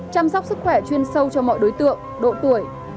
chăm sóc sức khỏe chuyên sâu cho mọi đối tượng độ tuổi